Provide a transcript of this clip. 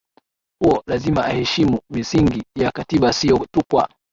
huo lazima aheshimu misingi ya katiba sio tu kwa